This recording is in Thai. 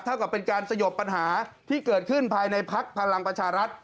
กับเป็นการสยบปัญหาที่เกิดขึ้นภายในพักพลังประชารัฐ